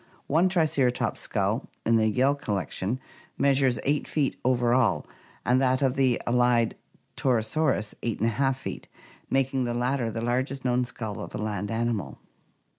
One Triceratops skull in the Yale collection measures 8 feet over all, and that of the allied Torosaurus 8y£ feet, making the latter the largest known skull of a land animal.